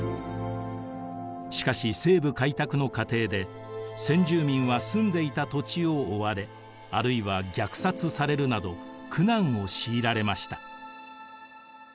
しかし西部開拓の過程で先住民は住んでいた土地を追われあるいは虐殺されるなど苦難を強いられました。